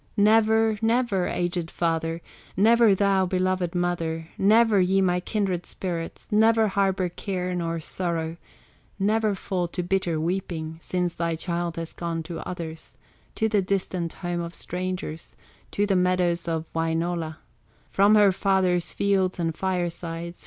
"Never, never, aged father, Never, thou, beloved mother, Never, ye, my kindred spirits, Never harbor care, nor sorrow, Never fall to bitter weeping, Since thy child has gone to others, To the distant home of strangers, To the meadows of Wainola, From her father's fields and firesides.